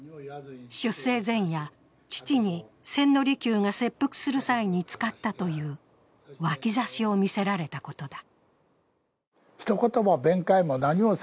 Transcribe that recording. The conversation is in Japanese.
出征前夜、父に千利休が切腹する際に使ったという脇差しを見せられたことだ。